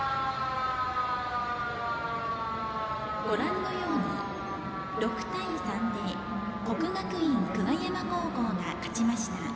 ご覧のように６対３で国学院久我山高校が勝ちました。